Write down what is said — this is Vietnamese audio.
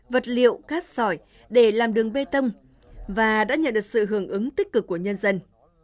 vật liệu cát sỏi để làm đường bê tông và đã nhận được sự hưởng ứng tích cực của nhân dân